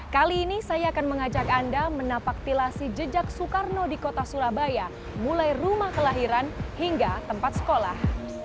kali ini saya akan mengajak anda menapaktilasi jejak soekarno di kota surabaya mulai rumah kelahiran hingga tempat sekolah